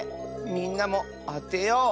みんなもあてよう！